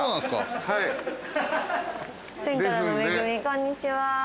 こんにちは。